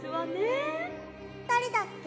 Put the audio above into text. だれだっけ？